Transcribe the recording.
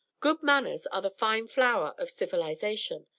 Good manners are the fine flower of civilization.